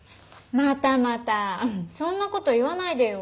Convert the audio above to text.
またまたそんな事言わないでよ。